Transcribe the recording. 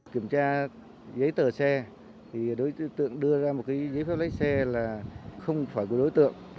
kiểm tra giấy tờ xe thì đối tượng đưa ra một giấy phép lấy xe là không phải của đối tượng